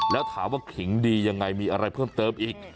แล้วถามว่าขิงดียังไงมีอะไรเพิ่มเติมอีก